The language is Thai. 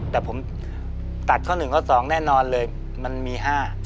แต่ผมตัดข้อ๑ข้อ๒แน่นอนเลยมันมี๕